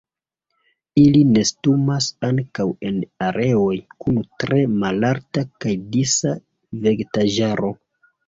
Ili nestumas ankaŭ en areoj kun tre malalta kaj disa vegetaĵaro.